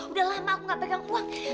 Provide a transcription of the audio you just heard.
udah lama aku gak pegang uang